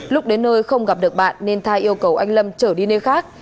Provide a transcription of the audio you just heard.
lúc đến nơi không gặp được bạn nên tha yêu cầu anh lâm trở đi nơi khác